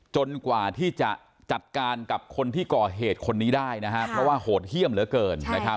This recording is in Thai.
กว่าที่จะจัดการกับคนที่ก่อเหตุคนนี้ได้นะครับเพราะว่าโหดเยี่ยมเหลือเกิน